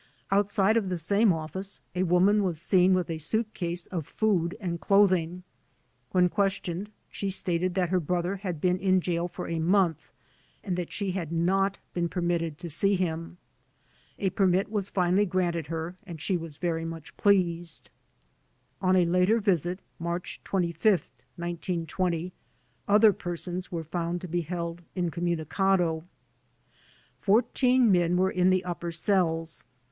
Outside of the same office a woman was seen with a suitcase of food and clothing. When questioned she stated that her brother had been in jail for a month and that she had not been permitted to see him. A permit was finally granted her and she was very much pleased. On a later visit — March 2Sth, 1920 other persons were found to be held incommunicado. Fourteen men were in the upper cells.